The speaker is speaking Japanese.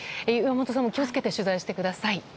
岩本さんも気を付けて取材してください。